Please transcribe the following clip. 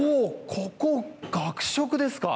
ここ、学食ですか？